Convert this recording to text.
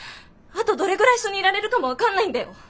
あとどれぐらい一緒にいられるかも分かんないんだよ？